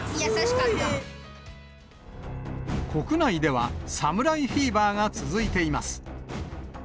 国内では、侍フィーバーが続いています。